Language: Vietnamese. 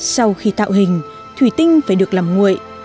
sau khi tạo hình thủy tinh phải được làm nguội